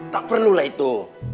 tak perlulah itu